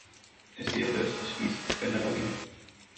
اس لئے درست تشخیص کرنالازمی ہے۔